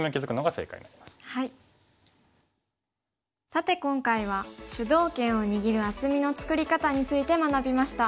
さて今回は主導権を握る厚みの作り方について学びました。